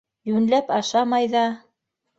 Йүнләп ашамай ҙа.